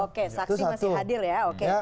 oke saksi masih hadir ya oke